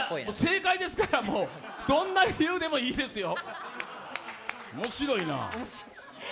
正解ですから、どんな理由でもいいですよ。